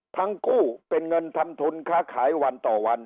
กู้เป็นเงินทำทุนค้าขายวันต่อวัน